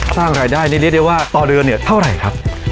สร้างรายได้นี่เรียกได้ว่าต่อเดือนเนี่ยเท่าไหร่ครับ